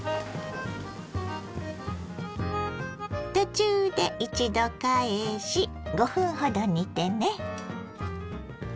途中で一度返し５分ほど煮てね。